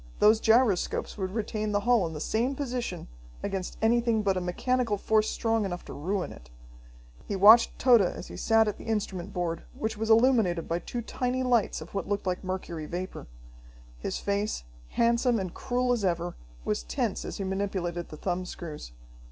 Those gyroscopes would retain the hull in the same position against anything but a mechanical force strong enough to ruin it. He watched Tode as he sat at the instrument board, which was illuminated by two tiny lights of what looked like mercury vapor. His face, handsome and cruel as ever, was tense as he manipulated the thumb screws.